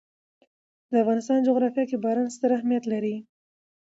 د افغانستان جغرافیه کې باران ستر اهمیت لري.